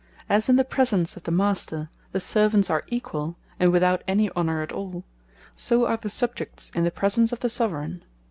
As in the presence of the Master, the Servants are equall, and without any honour at all; So are the Subjects, in the presence of the Soveraign.